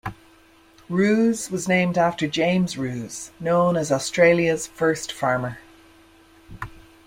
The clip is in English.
Ruse was named after James Ruse, known as Australia's first farmer.